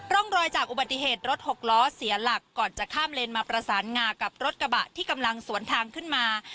ร่องรอยจากอุบัติเหตุรถหกล้อเสียหลักก่อนจะข้ามเลนมาประสานงากับรถกระบะที่กำลังสวนทางขึ้นมา